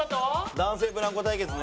男性ブランコ対決ね。